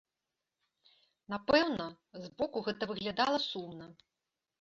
Напэўна, з боку гэта выглядала сумна.